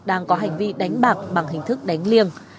đang có hành vi đánh bạc bằng hình thức đánh liêng